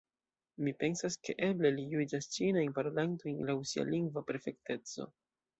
Mi pensas, ke eble li juĝas ĉinajn parolantojn laŭ sia lingva perfekteco.